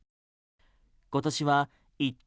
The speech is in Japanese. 今年は一等